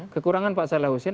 kekurangan pak salehusin